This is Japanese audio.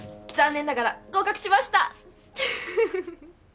残念ながら合格しました。